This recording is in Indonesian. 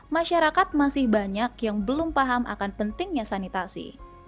masyarakat masih banyak yang belum paham akan pentingnya sanitasi